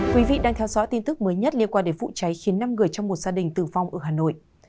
quý vị đang theo dõi tin tức mới nhất liên quan đến vụ cháy khiến năm người trong một gia đình tử vong ở hà nội